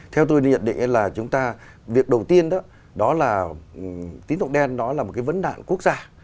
theo tôi nhận định là chúng ta việc đầu tiên đó là tín dụng đen đó là một cái vấn đạn quốc gia